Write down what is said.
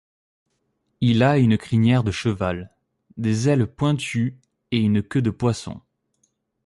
Il a une crinière de cheval, des ailes pointues et une queue de poisson.